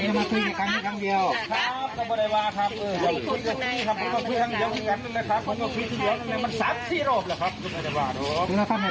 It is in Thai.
ผมจะมาคุยอย่างเดียวกันนึงคุณครับ